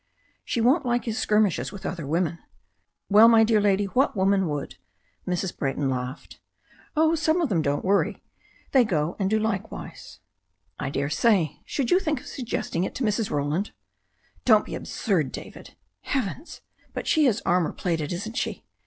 "She won't like his skirmishes with other women." "Well, my dear lady, what woman would?" Mrs. Brayton laughed. "Oh, some of them don't worry. They go and do like * ft wise. "I dare say. Should you think of suggesting it to Mrs. Roland?" "Don't be absurd, David. Heavens! But she is armor plated, isn't she?